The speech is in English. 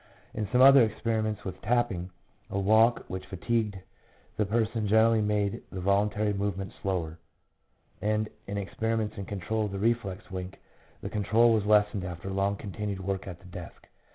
In some other experiments with tapping, a walk, which fatigued the person generally, made the voluntary movements slower; 2 and in experi ments in control of the reflex wink, the control was lessened after long continued work at the desk.